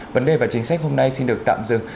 vấn đề và chính sách hôm nay xin được tạm dừng